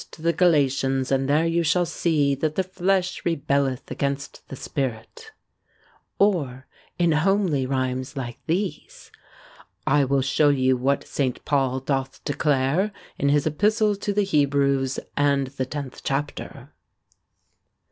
to the Galatians, and there you shall see That the flesh rebelleth against the spirit or in homely rhymes like these I will show you what St. Paul doth declare In his epistle to the Hebrews, and the X. chapter.